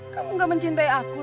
kamu gak mencintai aku